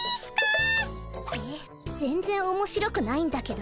えっ全然面白くないんだけど。